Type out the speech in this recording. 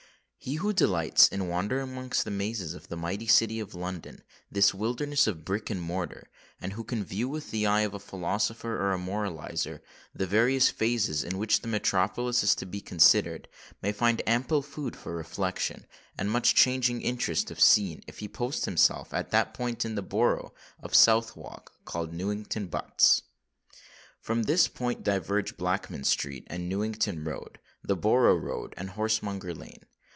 He who delights in wandering amongst the mazes of this mighty city of London,—this wilderness of brick and mortar,—and who can view, with the eye of a philosopher or a moralizer, the various phases in which the metropolis is to be considered, may find ample food for reflection, and much changing interest of scene, if he post himself at that point in the Borough of Southwark, called Newington Butts. From this point diverge Blackman Street, the Newington Road, the Borough Road, and Horsemonger Lane.